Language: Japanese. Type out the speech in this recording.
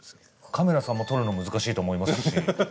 カメラさんも撮るの難しいと思いますし。